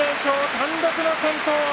単独の先頭。